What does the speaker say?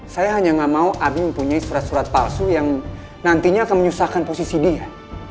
saya hanya gak mau abi mempunyai surat surat palsu yang nantinya akan menyusahkan posisi dia